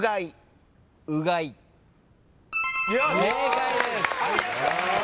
正解です。